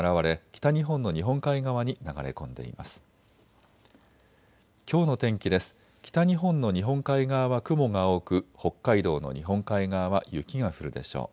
北日本の日本海側は雲が多く北海道の日本海側は雪が降るでしょう。